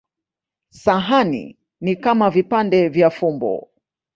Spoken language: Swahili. Sahani ni kama vipande vya fumbo.